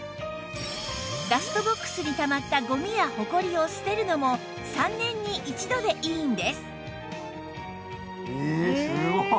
ダストボックスにたまったゴミやホコリを捨てるのも３年に１度でいいんです